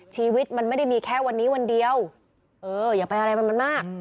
ชีวิตมันไม่ได้มีแค่วันนี้วันเดียวเอออย่าไปอะไรมันมันมาก